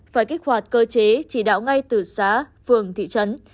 phải kích hoạt cơ chế chỉ đạo ngay từ xã phường thị trấn